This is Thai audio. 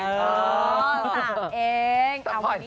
อ๋อสามเอง